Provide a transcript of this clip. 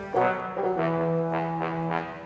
ok iya kan kepadanya